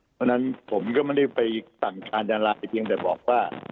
เพราะนั้นผมก็ไม่ได้ไปสั่งชาญลายเพียงแต่บอกว่า